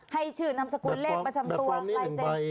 ให้ชื่อนำสกุลเลขประชำตัวใครเสร็จ